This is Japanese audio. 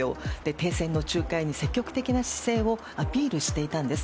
停戦の仲介に積極的な姿勢をアピールしていたんです。